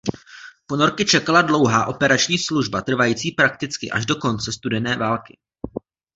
Ponorky čekala dlouhá operační služba trvající prakticky až do konce studené války.